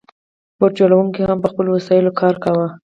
بوټ جوړونکو هم په خپلو وسایلو کار کاوه.